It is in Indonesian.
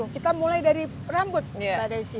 kita mulai dari rambut mbak desi